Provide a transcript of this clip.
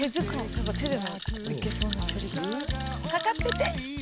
かかってて！